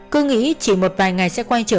cứ nghĩ chỉ một vài ngày sẽ quay trở